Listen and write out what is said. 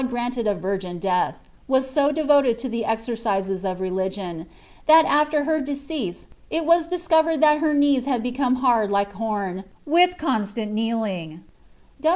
gmnled a virgin death, was so devoted to the exercises of religion, ihal after her decease it was discovered thai her knees had become hard lOu horn with constant kneeling."